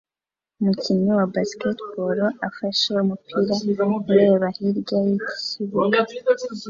Umukinnyi wa basketball afashe umupira areba hirya yikibuga